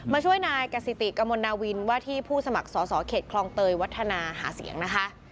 ช่วยนายกสิติกมลนาวินว่าที่ผู้สมัครสอสอเขตคลองเตยวัฒนาหาเสียงนะคะ